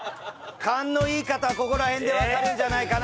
勘のいい方はここら辺でわかるんじゃないかなと。